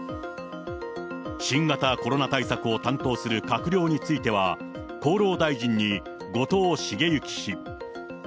新型コロナ対策を担当する閣僚については、厚労大臣に後藤茂之氏。